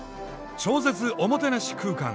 超絶おもてなし空間！